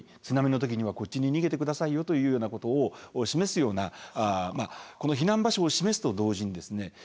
津波の時にはこっちに逃げて下さいよというようなことを示すようなこの避難場所を示すと同時にですね